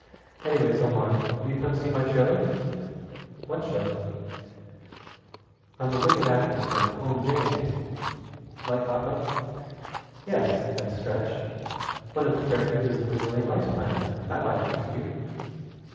"Anyways, Omar, will you come and see my show?" "What show?" "I'm a wicked actress from 'Home James'!" "Light opera?" "Yes at a stretch. One of the characters is a Brazilian rice planter. That might interest you."